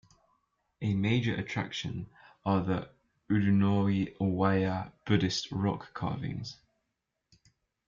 A major attraction are the Udonoiwaya Buddhist rock carvings.